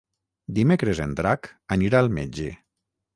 Dimecres en Drac anirà al metge.